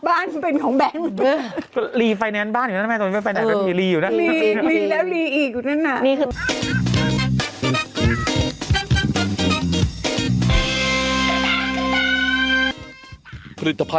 อ่า